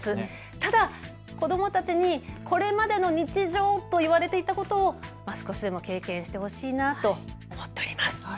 ただ、子どもたちにこれまでの日常といわれていたことを少しでも経験してほしいなと思っています。